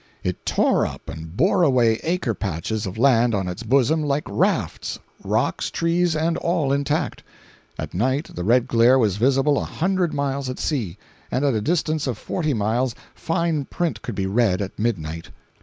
It tore up and bore away acre patches of land on its bosom like rafts—rocks, trees and all intact. At night the red glare was visible a hundred miles at sea; and at a distance of forty miles fine print could be read at midnight.